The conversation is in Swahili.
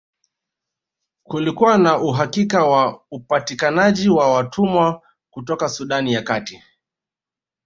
Kulikuwa na uhakika wa upatikanaji wa watumwa kutoka Sudan ya Kati